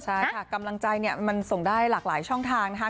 ใช่ค่ะกำลังใจเนี่ยมันส่งได้หลากหลายช่องทางนะคะ